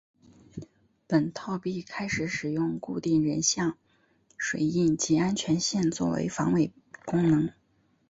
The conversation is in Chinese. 本套币开始使用固定人像水印及安全线作为防伪功能。